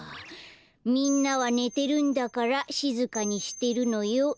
「みんなはねてるんだからしずかにしてるのよ」ね。